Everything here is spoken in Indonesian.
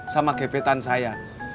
sama gebetan saya